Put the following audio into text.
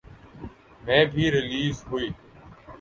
میں بھی ریلیز ہوئی